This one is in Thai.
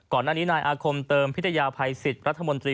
ก่อนดันนี้นายอาคมเติมพิทยภัยสิทธิ์